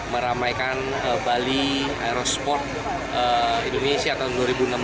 meramaikan bali aerosport indonesia tahun dua ribu enam belas